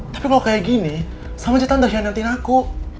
tapi kalau kayak gini sama aja tante udah hianatin aku